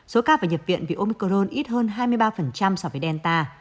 sốt cao và nhập viện vì omicron ít hơn hai mươi ba so với delta